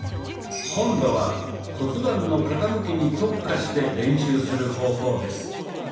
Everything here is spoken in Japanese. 今度は骨盤の傾きに特化して練習する方法です。